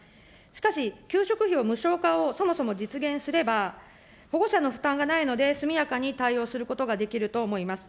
しかし、給食費を無償化をそもそも実現すれば、保護者の負担がないので、速やかに対応することができると思います。